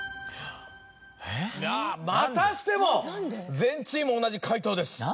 またしても全チーム同じ解答です。